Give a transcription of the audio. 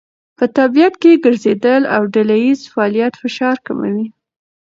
په طبیعت کې ګرځېدل او ډلهییز فعالیت فشار کموي.